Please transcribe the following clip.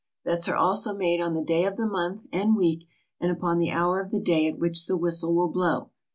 Bets are also made on the day of the month and week and upon the hour of the day at which the whistle will blow.